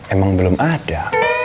emang belum ada